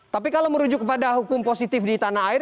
tapi kalau merujuk kepada hukum positif di tanah air